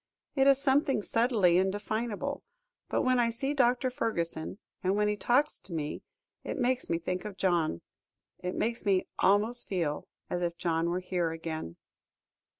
It is something subtly indefinable, but when I see Dr. Fergusson, and when he talks to me, it makes me think of John. It makes me almost feel as if John were here again."